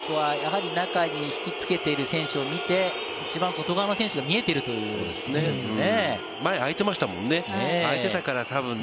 あそこは中に引き付けている選手を見て、一番外側の選手が見えているということですね。